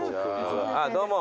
あっどうも。